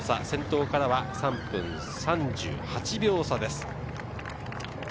先頭からは３分３８秒差です。